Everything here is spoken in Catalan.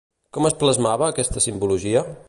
Com es plasmava aquesta simbologia?